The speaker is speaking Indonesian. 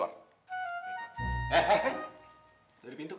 udah diterima keluar